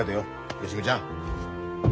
芳美ちゃん。